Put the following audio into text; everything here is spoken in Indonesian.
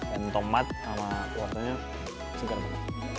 dan tomat sama kuartanya segar banget